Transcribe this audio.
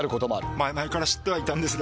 前々から知ってはいたんですが。